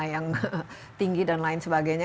yang tinggi dan lain sebagainya